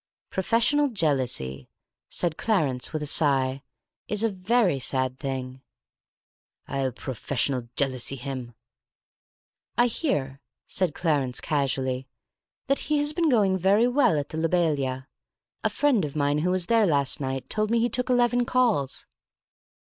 "Professional jealousy," said Clarence, with a sigh, "is a very sad thing." "I'll professional jealousy him!" "I hear," said Clarence casually, "that he has been going very well at the Lobelia. A friend of mine who was there last night told me he took eleven calls."